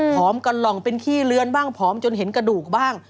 กันหล่องเป็นขี้เลือนบ้างผอมจนเห็นกระดูกบ้าง